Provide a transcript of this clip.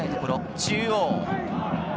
中央。